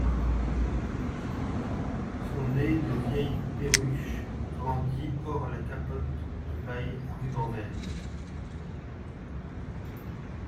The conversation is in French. Son nez de vieille perruche grandit hors la capote de paille à rubans verts.